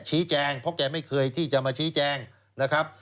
ชี้แจงเพราะแกไม่เคยที่จะมาชี้แจงนะครับ